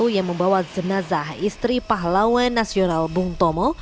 yang membawa jenazah istri pahlawan nasional bung tomo